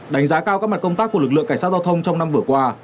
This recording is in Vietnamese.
đánh giá cao các mặt công tác của lực lượng cảnh sát giao thông trong năm vừa qua